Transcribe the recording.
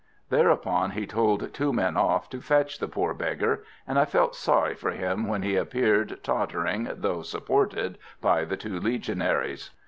Thereupon he told two men off to fetch the poor beggar, and I felt sorry for him when he appeared tottering, though supported by the two Legionaries.